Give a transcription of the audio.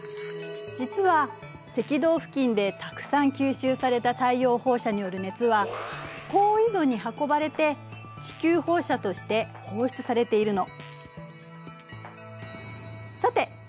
実は赤道付近でたくさん吸収された太陽放射による熱は高緯度に運ばれて地球放射として放出されているの。